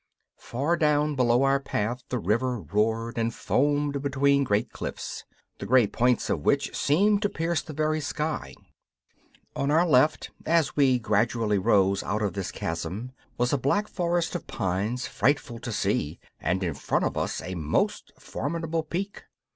Far down below our path the river roared and foamed between great cliffs, the grey points of which seemed to pierce the very sky. On our left, as we gradually rose out of this chasm, was a black forest of pines, frightful to see, and in front of us a most formidable peak.